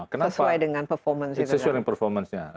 sesuai dengan performance nya